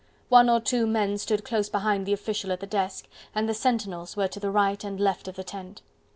One or two men stood close behind the official at the desk, and the sentinels were to the right and left of the tent.